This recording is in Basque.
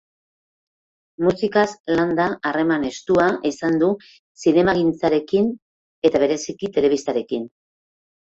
Musikaz landa, harreman estua izan du zinemagintzarekin eta bereziki telebistarekin.